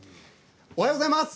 おはようございます。